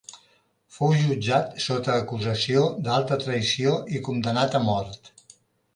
Fou jutjat sota acusació d'alta traïció i condemnat a mort.